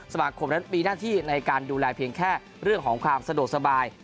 สมาคมนั้นมีหน้าที่ในการดูแลเพียงแค่เรื่องของความสะดวกสบาย